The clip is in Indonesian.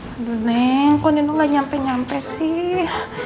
aduh neng kok nino gak nyampe nyampe sih